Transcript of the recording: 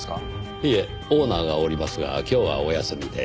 いえオーナーがおりますが今日はお休みで。